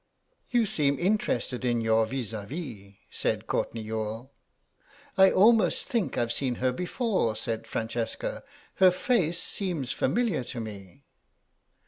"You seem interested in your vis à vis," said Courtenay Youghal. "I almost think I've seen her before," said Francesca; "her face seems familiar to me."